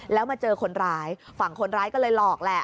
แล้วมาเจอคนร้ายฝั่งคนร้ายก็เลยหลอกแหละ